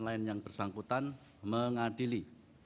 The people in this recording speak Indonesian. lain yang bersangkutan mengadili